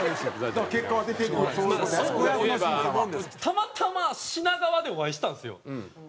たまたま品川でお会いしたんですよ